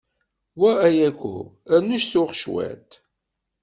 Wa ayako, rnu suɣ cwiṭ.